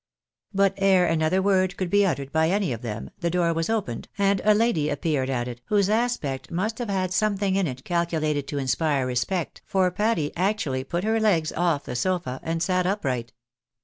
But ere another word could be uttered by any of them, the door was opened, and a lady appeared at it, whose aspect must have had something in it calculated to inspire respect, for Patty actually put her legs off the sofa and sat upright.